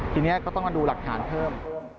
ทีนี้ก็ต้องมาดูหลักฐานเพิ่ม